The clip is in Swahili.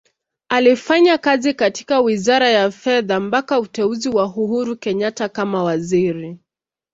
Alifanya kazi katika Wizara ya Fedha mpaka uteuzi wa Uhuru Kenyatta kama Waziri.